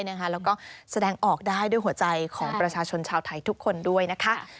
แล้วก็แสดงออกได้ด้วยหัวใจของประชาชนชาวไทยทุกคนด้วยนะคะ